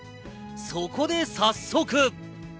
そこで早速。